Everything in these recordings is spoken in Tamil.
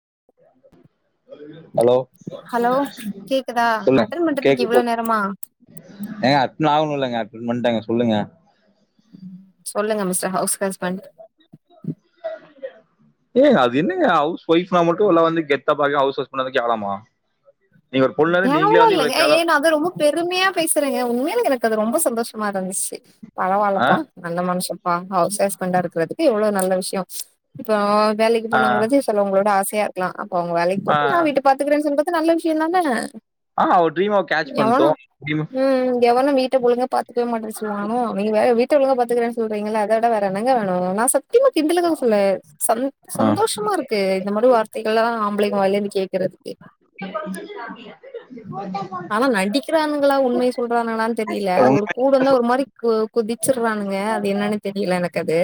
[unintelligible] ஹலோ ஹலோ கேக்குதா சொல்லு அட்டன் பண்றதுக்கு கேக்குது இவ்ளோ சொல் நேரமா ஏங்க அட்னு ஆவுணுல்லங்க அட்ன் பண்டாங்க சொல்லுங்க சொல்லுங்க மிஸ்டர் ஹவுஸ் ஹஸ்பண்ட் ஏ அது என்ன ஹவுஸ் ஒய்ஃப்னா மட்டு எல்லா வந்து கெத்த பாக ஹவுஸ் ஹஸ்பண்ட் வந்து கேவளமா கேவ்ள இல்ல ஏ ஏன்னு அத ரொம்ப பெருமையா பேசுறங்க உண்மைல எனக்கு அது ரொம்ப சந்தோஷமா இருந்துச்சு ஆ பரவால்லப்பா நல்ல மன்ஷம்ப்பா ஹவுஸ் ஹஸ்பண்டா இருக்கிறது எவ்ளோ நல்ல விஷ்யோ இப்போ வேலைக்கு ஆ போனாங்கிறது சிலவங்களோட ஆசையாருக்கலா அப் உங்க வேலைக்கு ஆ போட்டு நா வீட்ட பாத்துக்றேன் சொல்றது நல்ல விஷ்யந்தான ஆ அவ ட்ரீம்மவ கேட்ச் பண்ட்டு டீமு ம் எவனு வீட்ட ஒழுங்கா பாத்துக்கவே மாட்டேன் சொல்வா அவ நீ வேற வீட்ட ஒழுங்கா பாத்துக்கறன்னு சொல்றீங்கள அத விட வேற தனங்க வேணு நா சத்திமா கிண்டலுக்காக சொல்ல சந் ஆ சந்தோஷமாருக்கு இந்த மாரி வார்த் திகள்லாம் ஆம்பளைங்க வாய்லந்து கேக்குறதுக்கு சாப்டியா ஆனா நடிக்கிறானுங்களா உண்மைய சொல்றானங்ளான்னு தெரில உண்ம ஒரு கூடு வந்தா ஒரு மாரி கு குதிச்சிர்றானுங்க அது என்னனு தெரில எனக்கு அது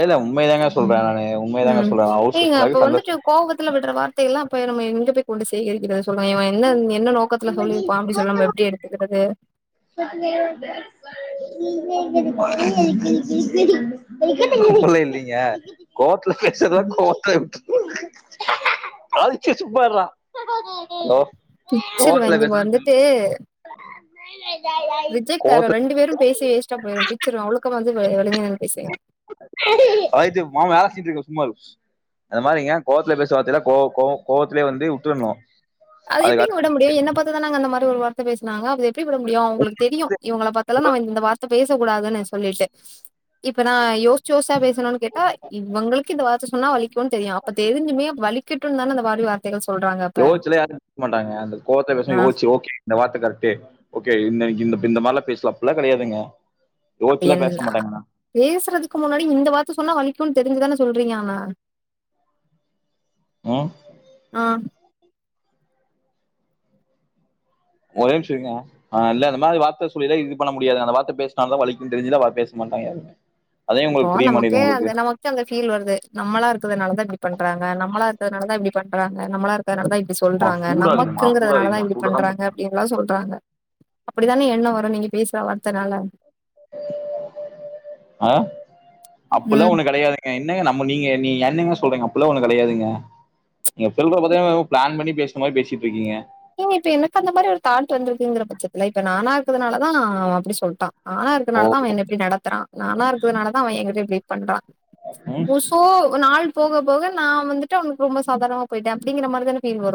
இல்ல உண்மையதாங்க சொல்றேன் நானு உண்மையதாங்க உம் சொல்றேன் ஹவுஸ் நீங்க அப்ப ஹஸ்பண்டாவே வந்துட்டு சந்தோஷ கோவத்துல விட் ட்ர வார்த்தைலாம் அப்ப நம்ம எங்கே போய் கொண்டு சேகரிக்ரது சொல்ல இவ என்ன இந் என்ன நோக்கத்துல சொல்லிருப்பா அப்டி சொல்ல நம்ம எப்டி எடுத்துக்கிறது [unintelligible] [unintelligible] அப்பில்லா இல்லிங்க கோவத் ல பேஷ்றதுலா கோவத்துல விட் [unintelligible] ஹலோ பிக்சர் கோவத்துல வாங்கி பேசுறது வந்துட்டு ரிஜக்ட்டாரு கோவத்துல ரெண்டு பேரு பேசி வேஸ்ட்டா போயிரு பிச்சிருவ ஒழுக்கமா வந்து வே ஒழுங்க நின்னு பேசுங்க சும்மாரு அந்த மாரிங்க கோவத்ல பேச வார்தைலா கோவ் கோவ் கோவத்திலியே வந்து வுட்ரணு அது எப்டிங்க விட முடியு என்ன பாத்துதானங்க அந்த மாரி ஒரு வார்த்த பேஸ்னாங்க அது எப் எப்டி விட முடியு அவுங்குளுக் தெரியு இவங்கள பாத்தாலா நாம இந்த வார்த்தை பேச கூடாதுன்னு சொல்லிட்டு இப்ப நா யோஸ்ச்சு யோசா பேசுணுனு கேட்டா இவுங்குளுக்கு இந்த வார்த்தை சொன்னா வலிக்குன் தெரியு அப்ப தெரிஞ்சுமே வலிக் க்கிட்டுன் தானே அந்த வாரி வார்த்தைகள் சொல்றாங்க அப்ப [inaudible] மாட்டாங்க அந்த கோவத்த பேசின ஆ யோச்சு ஓகே இந்த வார்த்த கரெக்ட்டு ஓகே இன்னைக்கு இந்த இந்த மாரிலா பேஸ்ல அப்டிலா கிடையாதுங்க அப்ப என் பேஸ்றதுக்கு முன்னாடி இந்த வார்த்த சொன்னா வலிக்குன் தெரிஞ்சுதானே சொல்றீங்க ஆனா ம் ஆஹ் ஒரே நிமிஷ்ஷ இருங்க அ இல்ல இந்த மாரி வார்த்த சொல்லிதா இது பண்ண முடியாது அந்த வார்த்த பேஸ்டான்லே வலிக்குன் தெரிஞ்சு தா அவ பேச மாட் பயந் இப்போ நமக்கே அந்த நமக்கு அந்த ஃபீல் வருது நம்மளா இருக்கறதுனாலதா இப்டி பண்றாங்க நம்மளா இருக்கறதுனாலதா இப்டி பண்றாங்க நம்மளா இருக்கிறதுனாலதா இப்டி மா சொல்றாங்க சூடாகுதுமா நமக்குங்கறதுனாலதா சூடாகுதுமா இப்டி சூடதான் பண்றாங்க அப்டின்லா சொல்றாங்க அப்டிதானே எண்ணோ வரு நீங்க பேசுற வார்த்தனால ஆஹ் அப்பில்லா ம் ஒண்ணு கிடையாதுங்க ஏ என்னங்க நம்ம நீங்க நீங் என்னங்க சொல்றீங்க அப்பிட்லா ஒண்ணு கெடையாதுங்க நீங்க சொல்றத பாத்த எனமோ ப்ளான் பண்ணி பேசுற மாரி பேசிட்ருக்கீங்க நீங்க இப்ப எனக்கு அந்த மாரி ஒரு தாட் வந்துருக்குங்கிற பட்சத்துல இப்ப நானா இருக்கறதுனாலதா அப்டி சொல்ட்டா நானா இருக்கனால ஓ தா அவ என்ன இப்டி நடத்துறா நானா இருக்கிறதுனாலதா அவ எங்கிட்ட இப்டி பண்றா ம் உ சோ நாள் போக போக நா வந்துட்டு அவனுக்கு ரொம்ப சாதாரணமா போயிட்டே அப்டிங்கிற மாரி தானே பீல் வரு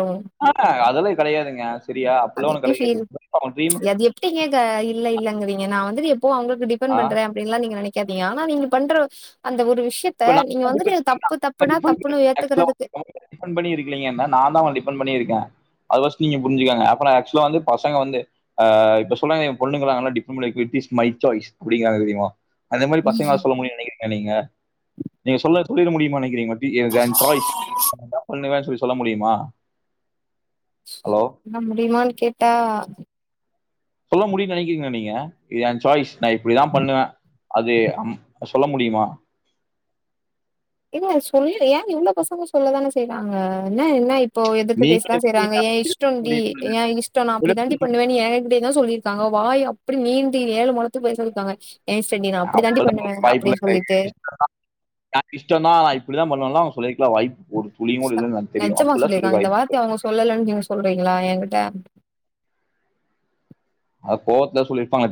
ஆஹ் அதெல்லா கெடையாதுங்க சேரியா அது அப்டில்லா ஒண்ணு எப்டி ஃபீல் கெடையாதுங்க அவ ட்ரீமு அது எப்படிங்க க இல்ல இல்லங்கறீங்க நா வந்தது எப்போ அவங்குளுக்கு டிபெண்ட் ஆ பண்றே அப்டின்லா நீங்க நினைக்காதீங்க ஆனா நீங்க பண்ற அந்த ஒரு விஷ் ஷ்யத்த இப்ப நான் நீங்க வந்துட்டு தப்பு தப்புனா தப்புன்னு ஏத்துக்குறதுக்கு டிஃபெண்ட் பண்ணி இருக்கிலீங்கன் தா நா தா உங்கள டிஃபெண்ட் பண்ணி இருக்கே அத ஃபர்ஸ்ட் நீங்க புரிஞ்சுங்க அப்றோ ஆக்சுவலா வந்து பசங்க வந்து ஹ இப்ப சொன்னாங்க எ பொண்ணுங்களா நல்லா [unintelligible] இட்ஸ் மை சாய்ஸ் அப்டிங்கறாங்க தெரியுமா அந்த மாரி பசங்களால் சொல்ல முடியுன் நினைக்கிறீங்கலா நீங்க நீங்க சொல்லர்து சொல்லிருக்க முடியுமா நினைக்கிறீங்க பீ ஹியர் தென் சாய்ஸ் அப்தா பண்ணுவேன் சொல்லி சொல்ல முடியுமா ஸ் சொ ஹலோ! சொன்ன முடியமானு கேட்டா சொல்ல முடியுன்னு நினைக்கிறீங்கலா நீங்க இது எ சாய்ஸ் நா இப்டிதா பண்ணுவே அதே அம் சொல்ல முடியுமா இல்ல சொல்லில ஏங் இவ்ளோ பசங்க சொல்லதானே செய்வாங்க என்ன என்ன இப் போ எதிர்த்து பேசதா நீங்களே செய்றாங்க விட்டீங்கன்னா ஏ இஷ்டோன்டி முடியுமாங்க? ஏ இஷ்டோ நா அப்டிதாண்டி பண்ணுவே எ கிட்டேயேதா சொல்லிருக்காங்க வாய் அப்டி நீண்டி ஏழு மொழத் த்து பொய் சொல்லிர்க்காங்க எ சேர்ட்டி நா அப்டி தாண்டி பண்ணுவே அப்பலாம் வாய்ப்பு அப்டின் சொல்லிட்டு இல்ல அப்டிதா பண்ணவாங் லா அவுங்க சொல்லிர்க்கலா வாய்ப் ஸ்தா நெஜமா சொல்லிருக்காங்க இந்த வாய்ப்பு இருக்கு வார்த்தைய அவுங்க சொல்லலேன் நீங்க சொல்றீங்களா எங்கிட்ட அத் கோவத்ல சொல்லிருப்பாங்க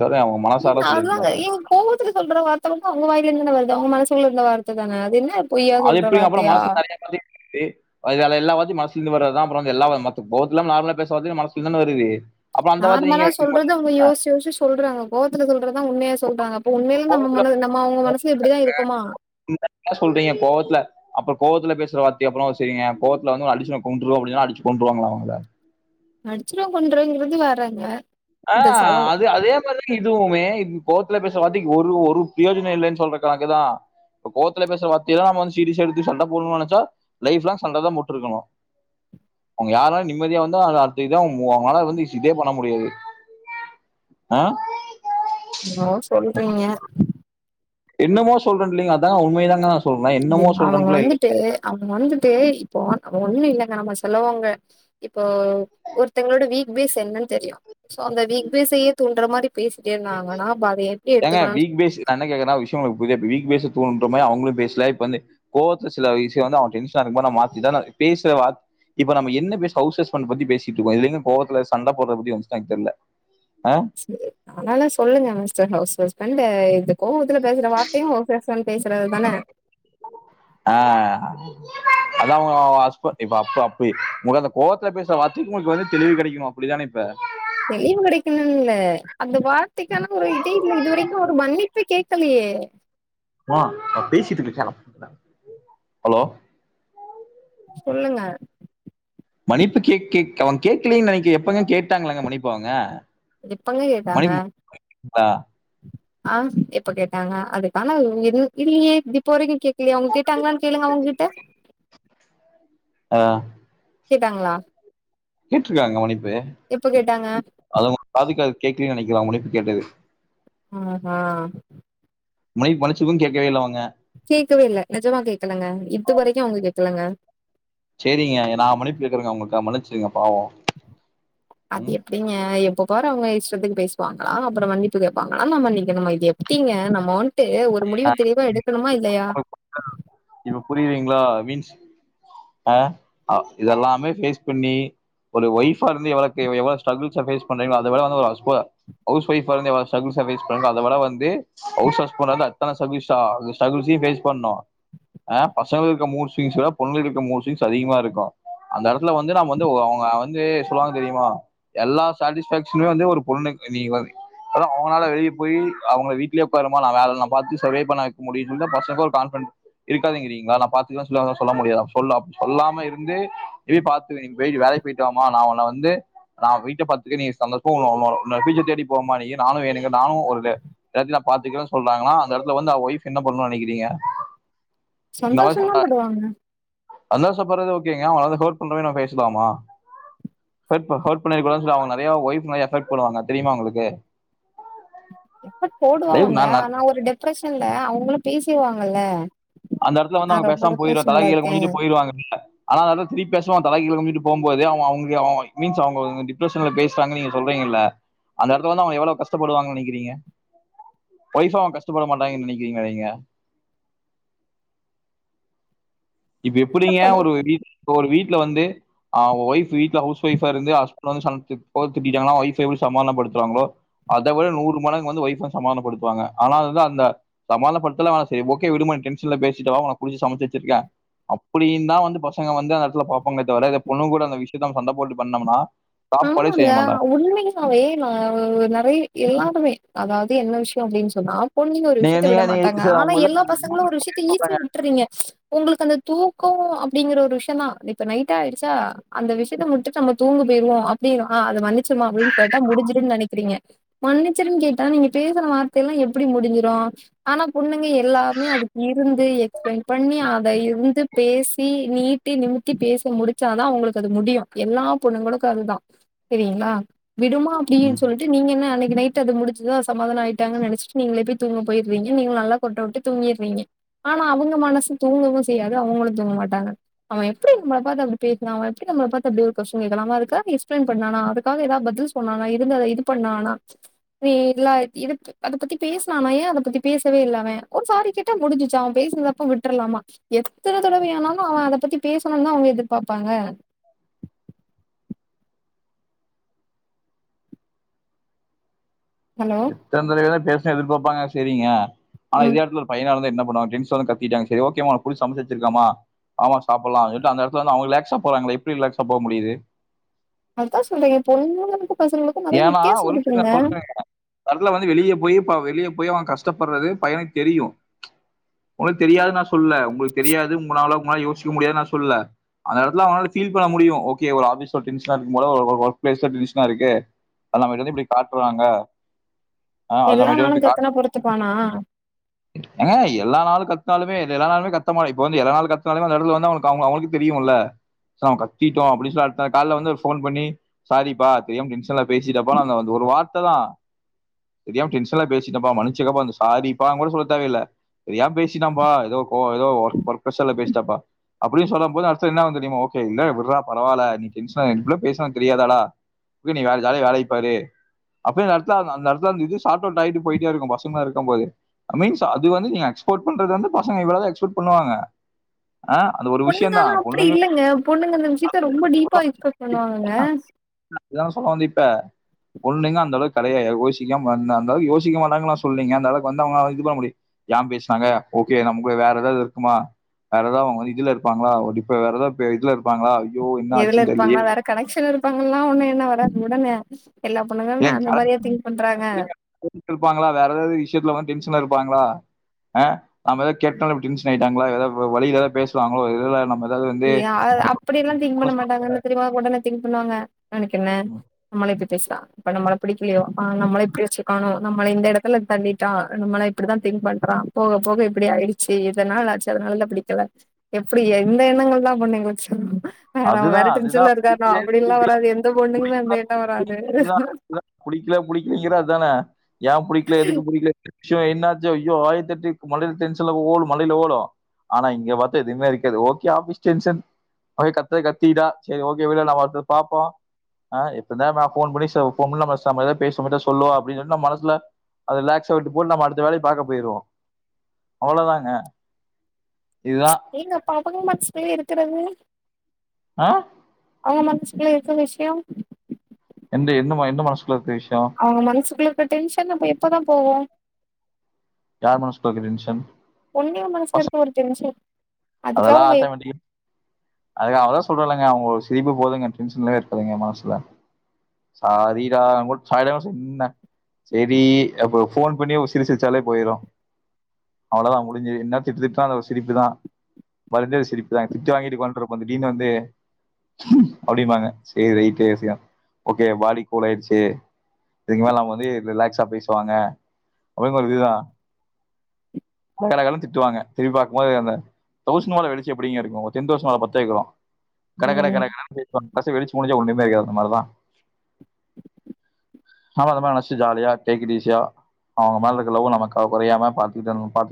ஏங்க அதாங்க ஏங் கோவத்துல சொல்ற வார்த்த அவுங்க வாயில இருந்துதானே வருது அவங்க மனசு லர்ந்த வார்த்த தானே அது என்ன பொய்யா அது சொல்ற எப்டிங்க அப்றோ வார்த்தையா? மனசு கரையா மாதிரி ஏ அது அதெல்லா வாத்தி மனசுல இருந்து வருதுதுதா அப்றோ வந்து எல்லா வந் மொத்த கோவத்தில்லாம நார்மலா பேசறதே மனசுல இருந்தானே வருது அப்புறம் அந்த வார்த்தை நார்மலா நீங்க எடுத்துக்க சொல்றது மாட்டீங்க அவுங்க யோஸ்ச்சு யோஸ்ச்சு சொல்றாங்க கோவத்துல சொல் றதுதா உண்மையா சொல்றாங்க அப்ப உண்மைல நம்ம கோவத்துல மேல நம்ம அவுங்க மனசுல இப்டிதா இருக்கோமா என்ன சொல்றீங்க கோவத்துல அப்புறம் கோவத்துல பேசற வார்த்தைய அப்பனா சரிங்க கோவத்துல வந்து உங்கள அடிச்சிருவே கொண்டுருவ அப்டின்னா அடிச்சு கொண்றுவாங்களா அவங்கள அடிச்சுட்றுவ கொண்றுவங்கறது வேர்றங்க ஆஹ் அது அதே மாரிதா இப் இதுவுமே இ கோவத்துல பேசுற வார்த்திக்கு ஒரு ஒரு பிரயோஜனம் இல்லைன்னு சொல்ற கணக்குதான் இப்ப கோத்துல பேசுறா வார்த்தயெல்லாம் நம்ம வந்து சீரிச எடுத்து சண்டை போடணும் நினைச்சா லைப்லாங் சண்டை தான் போட்டிருக்கணும் அவங்க யாராலும் நிம்மதியா வந்து அடுத்த இதான் அவங்களால வந்து இதே பண்ண முடியாது ஆ என்னமோ சொல்றீங்க என்னமோ சொல்றே இல்லீங்க அதா உண்மை தாங்கா சொ அவங்க வந்துட்டு அவங்க வந்துட்டு இப்போ ஒண்ணு இல்ல நம்ம சொல்லவோங்க இப்போ ஒருத்தங்களோட வீக் பேஸ் என்னன்னு தெரியு சோ அந்த வீக் பேஸ் செய்ய துன்ற மாரி பேசிட்டே இருந்தாங்கன்னா அப்ப அத எப்டி ஏங்க எடுத்துக்கணும்னு வீக் பேஸ் நா என்ன கேக்குறனா விஷயோ உங்களுக்கு புரியுதா வீக் பேஸ் துண்ற மாதிரி அவங்களு பேசல இப்ப வந்து கோவத்துல சில விஷயம் வந்து அவ டென்ஷனா நா மாத்தி தான பேசுற வர் இப்ப நம்ம என்ன பேச ஹவுஸ் ஹஸ்பண்ட பத்தி பேசிட்டு இருக்கோ இதுல எங்க கோவத்துல சண்ட போடுற பத்தி வந்துச்சுனு எனக்கு தெரில சரி அதனால சொல்லுங்க மிஸ்டர் ஹவுஸ் ஹஸ்பண்ட் இது கோபத்துல பேசுற வார்த்தையு ஹவுஸ் ஹஸ்பண்ட பேசுறது தான அ அதாங்க உங்க ஹஸ்பண்ட இப்ப அப்ப அப்ப உங்க அந்த கோவத்துல பேசுற வார்த்த உங்களுக்கு வந்து தெளிவு கிடைக்கணு அப்படிதான இப்ப தெளிவு கிடைக்கணும் இல்ல அந்த வார்த்தைக்கான ஒரு இதே இல் இது வரைக்கு ஒரு மன்னிப்பே கேட்க கலியே மா நா பேசிட்டு இருக்க ஹலோ சொல்லுங்க மன்னிப்பு கே கே அவங்க கேட்கலன்னு நினைக்க எப்பங்க கேட்டாங்களாங்க மன்னிப்பு அவங்க ஏப்பங்க கேட்டாங்க மன்னிப்பு ஆ, ஆ எப்ப கேட்டாங்க அதுக்கான இது இல்லையே இப்போ வரைக்கு கேட்கலையே அவங்க கேட்டாங்களான்னு கேளுங்க அவங்க கிட்ட ஆ கேட்டாங்களா கேட்டுருக்காங்க மன்னிப்பு எப்ப கேட்டாங்க அத பாது கா கேட்கலன்னு நினைக்கலா அவங்க மன்னிப்பு கேட்டது ஆ அ மை மன்ச்சுக்கோ கேட்கவே இல்ல அவங்க கேட்கவே இல்ல நிஜமா கேடக்கலங்க இது வரைக்கு அவங்க கேக்கலங்க சரிங்க நான் மன்னிப்பு கேட்கறேங்க அவங்களுக்கு மன்னிச்சிருங்க பாவம் அது ம் எப்படிங்க எப்போ ரு அவங்க இஷ்டத்துக்கு பேசுவாங்களா அப்புறம் மன்னிப்பு கேட்பாங்களா நா மணிக்கணுமா இது எப்படிங்க நா மான் ட்டு ஒரு முடிவு தெளிவா எடுக்கணுமா இல்லையா இப்ப புரியுவீங்களா மீன்ஸ் அ இதெல்லாமே பேஸ் பண்ணி ஒரு வைஃபா இருந்து எவளோ எவளோ ஸ்ட்ருக்ல்ஸ் பேஸ் பண்றீங்களோ அத விட ஒரு ஹஸ்ப ஹவுஸ் வைஃப்பா இருந்து எவளோ ஸ்ட்ருக்கிள்ஸ் ஃபேஸ் அத விட வந்து ஹவுஸ் ஹஸ்பண்ட இருந்து அத்தன ஸ்ட்ராக்ல்ஸ்சா ஸ்ட்ருக்கிள்ஸ் பேஸ் பண்ணும் ஆ பசங்களுக்கு மூட் ஸ்விங்கிங் வரு பொண்ணுகளுக்கு மூட் ஸ்விங்கிங்ஸ் அதிகமா இருக்கு அந்த இடத்துல வந்து நம் வந்து அவங்க வந்து சொல்லுவாங்க தெரியுமா எல்லா சாட்டிஸ ஃபக்ஷனுமே வந்து ஒரு பொண்ணு நீ வரி அப்பு அவங்களால வெளிய போய் அவங்க வீடலயே உட்காராம நா வேலலா பாத்து சர்வே பண்ண வக்க முடியும்ன்ன பசங்க ஒரு கான்பிடன் இருக்காகிதறீங்களா நா பாத்துக்கன்ன சொ சொல்ல முடியாது சொல்ல அப் சொல்லாம இருந்து எப்படி ப பா்த்த நீங்க போயிட்டு வேலைக்கு போயிட்டு வா மா நா உன்ன வந்து நா வீட்ட பாத்துக்க நீ சந்தோஷமா உ உன்னோட பியூச்சர் தேடி போமா நீ நானு எனங்க நானு ஒரு இடத்துல பாத்துக்கலனு சொல்றாங்கான அந்தடத்துல வந்த ஓய்ப் என்ன பண்ணும்னு நீனைக்கிறீங்க சந்தோஷம் தா படுவாங்க சந்தோஷ படுறது ஓகேங்க அவன ஹர்ட் பண்ணுற மாரி பேசலாமா ஹர்ட் பண்ணி ஹர்ட் பண்ணிருக்க கூடாது சொல்லி அவங்க நிறைய வைஃப் மாரி ஆஃபெக்ட் பண்ணுவாங்க தெரியுமா உங்களுக்கு எஃபெக்ட் லைஃப் போடுவாங்க நா நா ஆனா ஒரு டிப்ரஷன்ல அவங்களு பேசிவாங்கல்ல அந்த இடத்து வந்து அவங்க பேச போயிடுவார் தல கீழ இருக்கே குனிஜிட்டு போயிருவாங்க கீழ ஆனா அத திருப்பி பேசுவா தல கீழ வீட்டு போபோதே அவ அவங்க மீன்ஸ் அவங்க டிப்ரஷன்ல பேசுறாங்கு நீங்க சொல்றீங்கல்ல அந்த இடத்துல வந்து அவங்க எவ்வளவு கஷ்டப்படுவாங்கு நினைக்கிறீங்க ஓய்ஃபா அவ கஷ்டப்பட மாட்டாங்கன்னு நினைக்கிறீங்க நீங்க இப்ப எப்படிங்க கஷ்டப்படு ஒரு வீட் தோல் வீட் ல்ல வந்து ஆ ஒய்ஃப் வீட்டுல ஹவுஸ்வைவ்வா இருந்து ஹஸ்பன்ட் சமச்ச சோரு துப்பிடங்கண்ணா ஒய்ஃப் எப்படி சமப்படுத்த பாங்களோ அத விட நூறு மடங்கு வந்து ஒய்ஃப்அ சமாதப்படுத்துவாங்க ஆனா அது அந்த சமாதானப்படுத்தலா சேரி ஓகே விடும்மா நீ டென் சில பேசிட்டு வாமா நா குழிச்சி சமச்சு வச்சிருக்கே அப்படின்னா வந்து பசங்க வந்து அந்தடத்துல பாப்பாங்களே தவர இத பொண்ணுகளோட அந்த விஷயத்தான் சண்ட போட்டு பண்ணோம்னா சாப்பாடே ஆமாங்க செய்ய மாட்டாங்க. உண்மையாவே நா நிறைய எல்லாருமே அதாவது என்ன விஷயோ அப்படினு சொன்னா பொண்ணுங்க ஒரு நீங்க விஷயத்த நீங்க விட நீங்க மாட்டாங்க சரி ஆனா உங்க எல்லா பசங்களு ஒரு விஷயத்த ஈஸியா விற்றுவிங்க உங்களுக்கு அந்த தூக்கோ இது ஒரு விஷயம்தா இப்ப நைட்டாயிடுச்சா அந்த விஷயத்த முட்டுச்சு நம்ம தூங்கு தெரியூ அப்டி அ அத மணிச்சுடலா அப்டின்னு கேட்ட முடிஞ்சிடுன்னு நெனைக்குறிங்க மணிச்சிருன்னு கேட்ட நீங்க பேசலா வார்த்தல்லாம் எப்டி முடிஞ்சிரோ ஆனா பொண்ணுங்க எல்லாருமே அதுக்குருந்து எக்ஸ்பிளைன் பண்ணி அத இருந்து பேசி நீட்டி நிமித்தி பேச முடிச்சாதா உங்களுக்கு அது முடியும் எல்லா பொண்ணங்களுக் ப்பதுதா செரிங்களா விடுமாப்படின்னு சொல்லிட்டு நீங்க என்ன அன்னைக்கு நைட் அது முடிச்சுதா சாமதானோ ஆயிட்டாங்கனு நினைச்ட்டு நீங்களப்படி தூங்க போயிருவிங்க நீங்க நல்லா கொறட்டட்டு தூங்கிருவிங்க ஆனா அவங்க மனசு தூங்கவே செய்யாது அவங்களு தூங்க ட்டாங்க அவன் எப்டி நம்ம அப்பாட்ட அப்டி கேக்கலா அவன் எப்டி நம்ம அப்பாட்ட அப்டி ஒரு ஃகொஷின் கேக்கலா வேற க்காக எக்ஸ்பிளைன் பண்ணானா அதுக்காக ஏதாவ பதில் சொன்னானா இருந்த இது பண்ணானா நீ இல்லா இத அத பத்தி பேசலாமே ஏன் அத பத்தி பேசவே இல்ல அவன் ஒரு சாரி கேட்டா முடிஞ்சிச்சு அவன் பே ந்தப்ப விட்ரலாமா எத்தன தடவையானாலும் அவன் அத பத்தி பேசணுன்னுதா அவங்க எதிர்பாப்பாங்க ஹலோ எத்தன தடவையா பேச எதிர்பாப்பாங்க செரிங்க ஆனா ம் இதே இடத்துல ஒரு பையனாருந்தா என்ன நா அப்டின்னு சொன்னே கத்திடாங்க செரி ஓகேமா உனக்கு புடிச்ச சமச்சி வெச்சிருக்கமா வாமா சாப்பல்லா சொல்ட்டு அந்த இடத்துலந்து அவங்க ரிலாக்ஸா போறங்களே எப்படி ரிலாக்ஸா போக முடியுது அத்தான் சொல்றே ஏன் பொண்ணங்களுக்கு பசங்களுக்கு நெறையா வித்தியாசோ இருக்குங்க கடசில வந்து வெளிய போய் ப வெளிய போய் அவன் கஷ்டப்படறது பயனுக்கு தெரியு உங்களுக்கு தெரியாதுனு நா சொல்ல உங்களுக்கு தெரியாது உங்கனாலவுமாறி யோசிக்கவு முடியாது நா சொல்ல அந்த இடத்துல அவங்கனால ஃபீல் பண்ணமுடியும் ஓகே ஒரு ஆபீஸ்ல டென்ஷனா இருக்கு போல ஒரு ஒர்க் பிளேஸ்ல டிராடிஷன்னா இருக்கு தல் நம்ம கிட்டருந்து இப்டி காற்றாங்க ஆ அது எல்லா நமக்கிட்டையே நானு கொண்டுபோய் கத்துனா காட்டுவா பொறுத்துப்பானா ஏங்க எல்லா நாளு கத் இருந்தாலுமே எல்லா நாளுமே கத்தமா இப்ப வந்து எதனால கத்தனாலுமே அந்த இடத்துல வந்து அவங்க அவங்க அவங்களுக்கு தெரியுல்ல ச கத்திட்டோ அப்டி சாட்ட கால வந்து ஒரு போன் பண்ணி சாரிபா தெரியாம டென்ஷன்ல பேசிட்டப்ப அந்த வ ஒரு ஒரு வார்த்த தா தெரியாம டென்ஷன்ல பேசிடபா மனிச்சிகப்பா ந்த சாரிப்பா கூட சொல்ல தேவைல்லா தெரியாம பேசிட்டாப்பா ஏதோ கோ ஏதோ ஒர்க் பற்பசல பேசிட்டாப்பா அப்படினு சொல்லுபோது அடுத்தது என்னாவு தெரியுமா ஓகே இல்ல விட்றா பரவால நீ டென்ஷனா இப்பல்லா பேசுனா தெரியாதாடா ம்பி நீ வேற ஜாலியா வேலைய பாரு அப்டின்ற அர்த்த ந்த அந்த இடத்துல அந்த இது சார்ட் அவுட் ஆயிட்டு போயிட்டே இருக்குபா சும்மா இருக்குபோது அமீன்ஸ் அது வந்து நீங்க எக்ஸ்போர்ட் பண்றது வந்து பசங்கல்லா எக்ஸ்பட் பண்ணுவாங்க ஆ, அது ஒரு விஷயம் தான் பொண்ணுங்காலா அப்படி பொண்ணுங்களுக்கு இல்லங்க பொண்ணுங்க இந்த விஷயத்த ரொம்ப டீப்பா எக்ஸ்பெக்ட் பண்ணுவாங்கங்க அதுதா சொல்லவந்த பொண்ணுங்க அந்த அளவுக் கடைய யோசிக்காம வந்த அந்தளவு யோசிக்க மாட்டாங்கான்னு நா சொல்லிங்க அந்த அளவுக் வந்துவங்க இது பண்ண முடியு ஏன் பேசுனாங்க ஓகே நமக்குள்ள வேற ஏதாவது இருக்குமா வேற ஏதாவதுவங்க வந்து இதுல இருப்பாங்களா ஒரு டிப்பு வேற ஏதாவது இதுல இருப்பாங்களா ஐயோ என்ன எதுல ஆச்சுன்னு தெரியலையே இருப்பாங்களா வேற கனெக்ஷன்னிருப்பாங்கல்லா ஒண்ணு என்ன வேல உடனே எல்லா ஏலே பொண்ணுங்களு அந்த மாரியா திங்க் பண்றாங்க [unintelligible] வேற ஏதாவது விஷயத்துல வந்து டென்ஷனா இருப்பாங்களா நாம்ப ஏதோ கேட்டொன்னு டென்ஷனாயிட் எங்களயதா வழியில எத பேசுவாங்களோ விடுடா நம்ப அப்படியல்லா திங்க் பண்ண மாட்டாங்கன்ன தெரியுமா மொதல்ல திங்க் பண்ணுவாங்க உனக்குன்ன நம்மள இ லேசா நம்மள பிடிக்கலயோ ஆ நம்மள இப்டி வச்சிக்கனோ நம்மள இந்த இடத்துல தள்ளிட்டா நம்மள இப்படிதா ங் பண்றான் போக போக இப்படி ஆயடுச்சு இதனாலாச்சு அதனால பிடிக்கல எப்படி எ எண்ணங்கள்தா பண்ணி போச்சு வேற அவ வேற அதுதான் அதுதான் டென்சன்ல இருக்காருண்ணா பிடிக்கல அப்டில்லா பிடிக்கல வராது எந்த பொண்ணுக்குமே அந்த எண்ண வராது வீட்ல புடிக்கிலங்க அதான ஏ புடிக்கல எதுக்கு புடிக்கல என்ன விஷ்யோ என்னாச்சோ ஐயோ ஆயிரத்தெட்டு மண்டைல டென்ஷன்ல ஓடு மண்டைல ஓடு ஆனா இங்க வந்தா எதுமே இருக்காது ஓகே ஆஃபீஸ் டென்ஷன் அவ கத்தற கத்திட்டா செரி ஓகே விடு நா வந்து பாப்போ ஆ இப்பதா நா ஃபோன் பண்ணி ச போம்போது நம்ம சமாதாமா பேசமாட்டா சொல்லுவோ அப்டின்னு நா மனசுல அது ரிலாக்ஸா விட்டுப் போட்டு நம்ம அடுத்த வேலைய பாக்கப் போயிருவோ அவ்ளோதாங்க எங்க அப்பாக்கு மனசுக்குள்ளே இருக்கிறது ஆ அவுங்க மனசுக்குள்ள இருக்க விஷ்யம் எந்த என்னம்மா எந்த மனசு அவுங்க மனசுக்குள்ள இருக்க டென்ஷன் அப்ப எப்பதா போவு யார் மனசுக்குள்ள இருக்க டென்ஷன் பொண்ணுங்க மனசுல பசக் இருக்க ஒரு டென்ஷன் அதுக்காக அதெல்லா அவங்க ஆட்டோமேட்டிக்கா அதுக்காகதா சொல்றேல்லங்க அவுங்களோட சிரிப்பு போதுங்க டென்ஷன்லே இருக்காதுங்க மனசுல சாரிடா நா கூட் ஃபைனலா சொன்ன செரி அப்ற ஃபோன் பண்ணி ஒரு சிரி சிரிச்சாலே போயிரு அவ்ளோதா முடிஞ்சுது என்ன திட் திட்னாலு ஒரு சிரிப்புதா வழிஞ்ச சிரிப்புதா திட்டு வாங்கிட்டு கொ அப்ற அப்ப திடீர்னு வந்து அப்டிம்பாங்க சேரி ரைட்டு செய் ஓகே பாடி கூல் ஆயிடுச்சு இதுக்கு மேல நம்ம வந்து ரிலாக்ஸா பேசுவாங்க அப்டிங்கிற ஒரு இதுதா கலகலன்னு திட்டுவாங்க திரும்பி பாக்கும் போது அந்த தௌசண்ட் வாலா வெடிச்சா எப்டிங்க இருக்கு டென் தௌசண்ட் வாலா பாத் திருக்குறோ ம் கறகறகறன்னு பேசுவாங்க லாஸ்ட்டா வெடிச்சு முடிஞ்சா ஒன்னுமே இருக்காது அந்த மாரிதா நானும் அது மாரி நெனச்சிட்டு ஜாலியா டேக் இட் ஈஸியா அவுங்க மேல இருக்க லவ்வ நம்ம க கொறையாம பாத்துக்கனு பாத்து